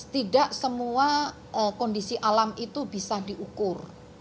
tidak semua kondisi alam itu bisa diukur